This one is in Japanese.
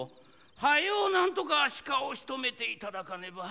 はようなんとか鹿をしとめて頂かねば。